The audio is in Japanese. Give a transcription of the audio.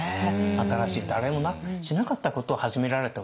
新しい誰もしなかったことを始められたわけですから。